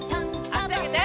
あしあげて。